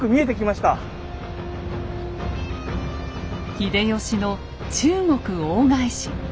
秀吉の中国大返し。